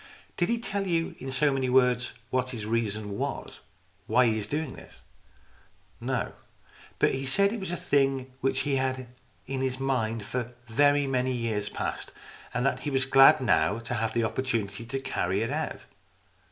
" Did he tell you in so many words what his reason was why he is doing this ?"" No. But he said it was a thing which he had had in his mind for very many years past, and that he was glad now to have the opportunity to carry the idea out.